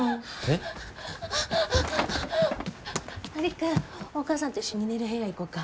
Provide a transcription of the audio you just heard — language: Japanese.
璃久お母さんと一緒に寝る部屋行こうか。